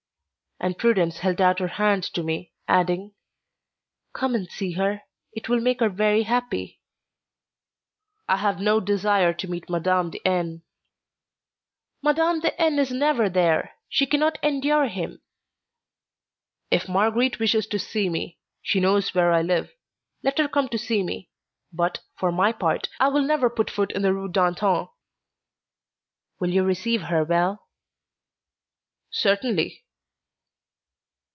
And Prudence held out her hand to me, adding: "Come and see her; it will make her very happy." "I have no desire to meet M. de N." "M. de N. is never there. She can not endure him." "If Marguerite wishes to see me, she knows where I live; let her come to see me, but, for my part, I will never put foot in the Rue d'Antin." "Will you receive her well?" "Certainly."